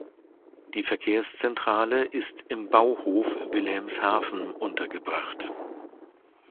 Die Verkehrszentrale ist im Bauhof Wilhelmshaven untergebracht.